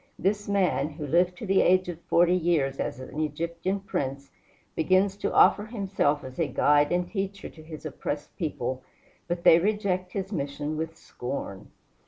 This man, who lived to the age of forty years as an Egyptian prince, begins to offer himself as a guide and teacher to his oppressed people, but they reject his mission with scorn.